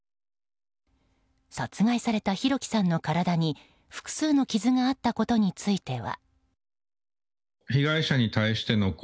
殺害された弘輝さんの体に複数の傷があったことについては。